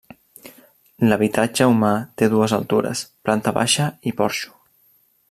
L’habitatge humà té dues altures: planta baixa i porxo.